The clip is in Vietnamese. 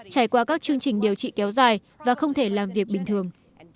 trải qua các chương trình điều trị kéo dài và không thể làm việc bình thường